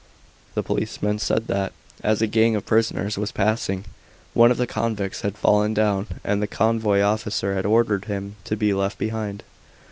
The policeman said that, as a gang of prisoners was passing, one of the convicts had fallen down, and the convoy officer had ordered him to be left behind.